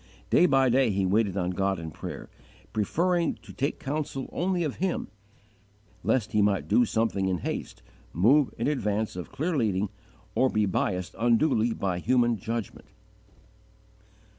Day by day he waited on God in prayer, preferring to take counsel only of Him, lest he might do something in haste, move in advance of clear leading, or be biassed unduly by human judgment.